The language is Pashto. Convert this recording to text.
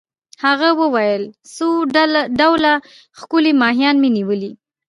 هغه وویل: څو ډوله ښکلي ماهیان مي نیولي.